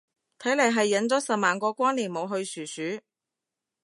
睇嚟係忍咗十萬個光年冇去殊殊